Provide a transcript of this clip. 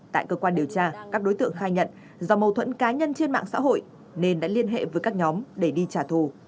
tại cơ quan điều tra các đối tượng khai nhận do mâu thuẫn cá nhân trên mạng xã hội nên đã liên hệ với các nhóm để đi trả thù